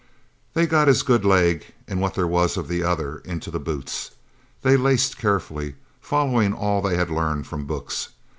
They got his good leg, and what there was of the other, into the boots. They laced carefully, following all they had learned from books.